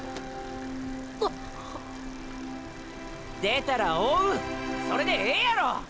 っ⁉っ⁉出たら追うそれでええやろ！！